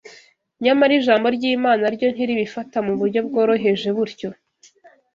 Nyamara Ijambo ry’Imana ryo ntiribifata mu buryo bworoheje butyo